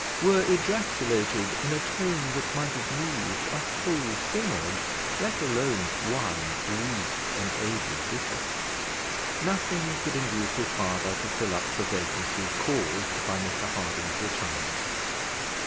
were ejaculated in a tone that might have moved a whole synod, let alone one weak and aged bishop. Nothing could induce his father to fill up the vacancy caused by Mr Harding's retirement.